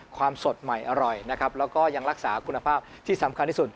สดใหม่อร่อยนะครับแล้วก็ยังรักษาคุณภาพที่สำคัญที่สุด